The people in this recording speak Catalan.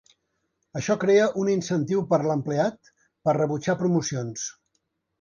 Això crea un incentiu per a l'empleat per rebutjar promocions.